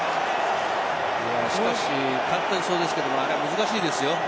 しかし簡単そうですがあれ、難しいですよ。